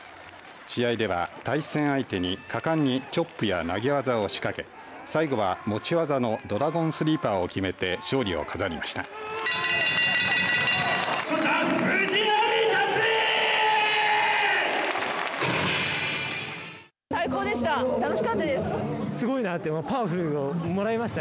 試合では対戦相手に果敢にチョップや投げ技を仕掛け最後は持ち技のドラゴンスリーパーを決めて勝利を飾りました。